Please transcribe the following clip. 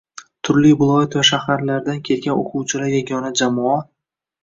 Turli viloyat va shaharlardan kelgan oʻquvchilar yagona jamoa